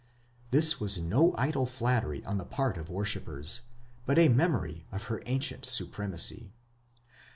This was no idle flattery on the part of worshippers, but a memory of her ancient supremacy.